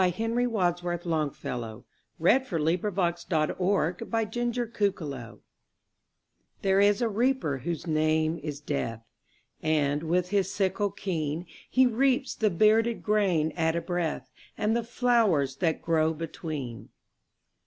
Henry Wadsworth Longfellow The Reaper And The Flowers THERE is a Reaper whose name is Death, And, with his sickle keen, He reaps the bearded grain at a breath, And the flowers that grow between.